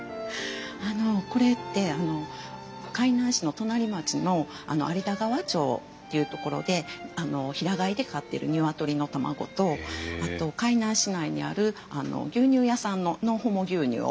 あのこれって海南市の隣町の有田川町っていう所で平飼いで飼ってる鶏の卵とあと海南市内にある牛乳屋さんのノンホモ牛乳を使って作っているんです。